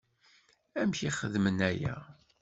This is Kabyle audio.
Amek i xedmen aya?